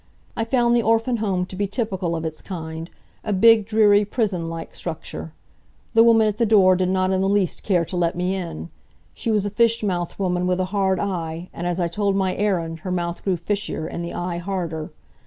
I found the orphan home to be typical of its kind a big, dreary, prison like structure. The woman at the door did not in the least care to let me in. She was a fish mouthed woman with a hard eye, and as I told my errand her mouth grew fishier and the eye harder.